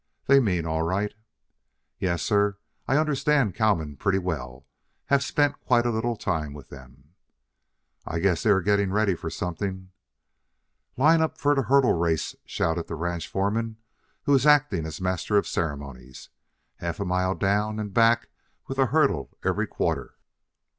"They mean all right." "Yes, sir; I understand cowmen pretty well. Have spent quite a little time with them." "I guess they are getting ready for something." "Line up for the hurdle race!" shouted the ranch foreman, who was acting as master of ceremonies. "Half mile down and back with a hurdle every quarter!"